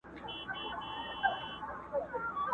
یو مي ته په یارانه کي شل مي نور نیولي دینه٫